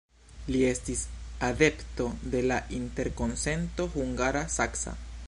Li estis adepto de la interkonsento hungara-saksa.